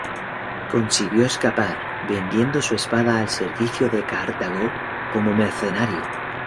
Consiguió escapar, vendiendo su espada al servicio de Cartago como mercenario.